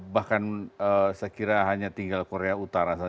bahkan saya kira hanya tinggal korea utara